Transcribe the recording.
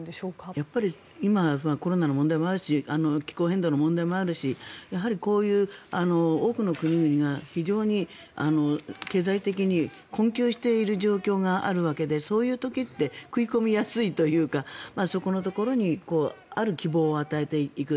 やっぱり今はコロナの問題もあるし気候変動の問題もあるしこういう多くの国々が非常に経済的に困窮している状況があるわけでそういう時って食い込みやすいというかそこのところにある希望を与えていく。